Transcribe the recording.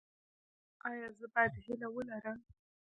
ایا زه باید هیله ولرم؟